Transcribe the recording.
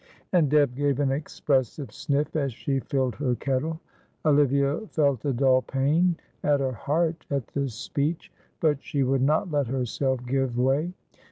and Deb gave an expressive sniff as she filled her kettle. Olivia felt a dull pain at her heart at this speech, but she would not let herself give way.